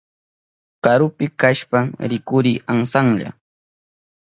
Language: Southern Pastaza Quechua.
Karupi kashpan rikurin amsanlla.